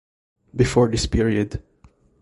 Before this period.